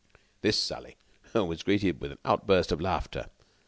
This sally was greeted with an outburst of laughter.